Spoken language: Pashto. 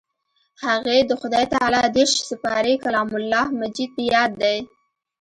هغې د خدای تعالی دېرش سپارې کلام الله مجيد په ياد دی.